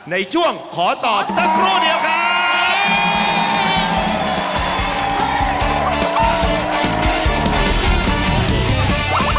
ในช่วงขอตอบสักครู่เดียวครับ